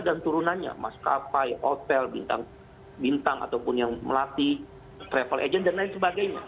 dan turunannya maskapai hotel bintang bintang ataupun yang melatih travel agent dan lain sebagainya